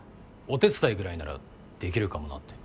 お手伝いぐらいならできるかもなって。